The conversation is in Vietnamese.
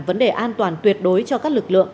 vấn đề an toàn tuyệt đối cho các lực lượng